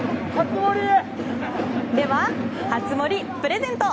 では、初盛プレゼント！